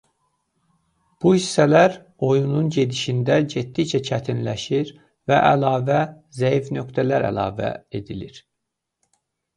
Bu hissələr oyunun gedişində getdikcə çətinləşir və əlavə "zəif nöqtələr" əlavə edilir.